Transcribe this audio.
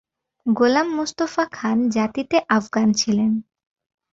গোলাম মুস্তফা খান জাতিতে আফগান ছিলেন।